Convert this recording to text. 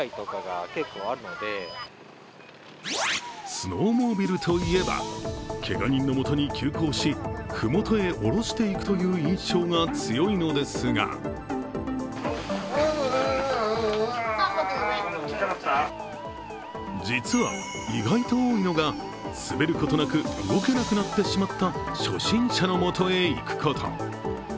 スノーモービルといえば、けが人のもとに急行し、ふもとへ下ろしていくという印象が強いのですが実は意外と多いのが滑ることなく動けなくなってしまった初心者のもとへ行くこと。